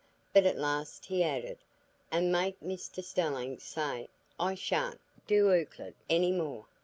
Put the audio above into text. But at last he added: "And make Mr Stelling say I sha'n't do Euclid any more.